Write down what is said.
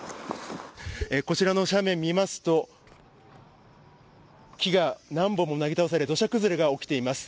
こちらの斜面を見ますと木が何本もなぎ倒され土砂崩れが起きています。